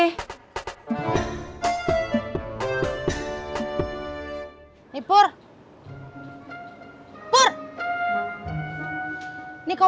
dia enggan makannya kok